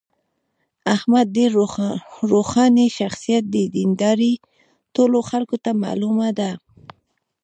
احمد ډېر روښاني شخصیت دی. دینداري ټولو خلکو ته معلومه ده.